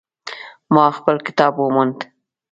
ما خپل کتاب وموند